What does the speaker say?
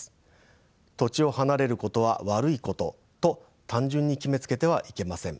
土地を離れることは悪いことと単純に決めつけてはいけません。